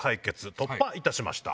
突破いたしました。